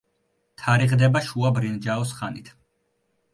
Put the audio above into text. თარიღდება შუა ბრინჯაოს ხანით.